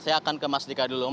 saya akan ke mas dika dulu